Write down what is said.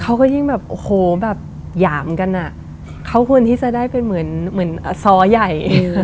เขาก็ยิ่งแบบโอ้โหแบบหยามกันอ่ะเขาควรที่จะได้เป็นเหมือนเหมือนซ้อใหญ่